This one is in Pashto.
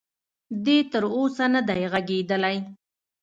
دې تر اوسه ندی ږغېدلی.